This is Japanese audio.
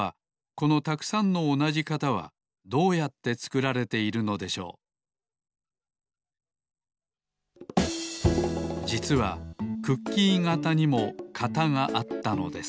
このたくさんのおなじ型はどうやってつくられているのでしょうじつはクッキー型にも型があったのです